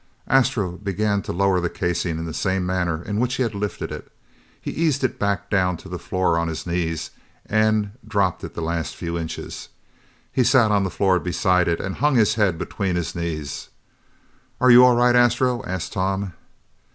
Astro began to lower the casing in the same manner in which he had lifted it. He eased it back down to the floor on his knees and dropped it the last few inches. He sat on the floor beside it and hung his head between his knees. "Are you all right, Astro?" asked Tom.